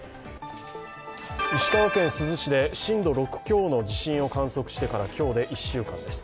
石川県珠洲市で震度６強の地震を観測してから、今日で１週間です。